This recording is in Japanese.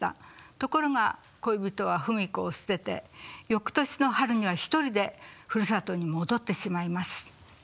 ところが恋人は芙美子を捨ててよくとしの春には一人でふるさとに戻ってしまいます。